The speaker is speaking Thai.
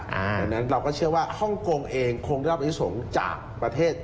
เพราะฉะนั้นเราก็เชื่อว่าฮ่องกงเองคงได้รับอนิสงฆ์จากประเทศ